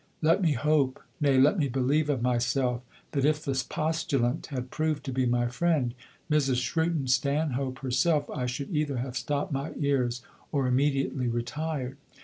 Let me hope, nay, let me believe of myself that if the postulant had proved to be my friend, Mrs. Shrewton Stanhope, herself, I should either have stopped my ears or immediately retired.